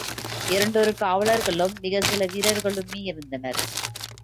இரண்டொரு காவலர்களும் மிகச்சில வீரர்களுமே இருந்தனர்.